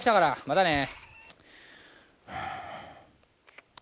またね。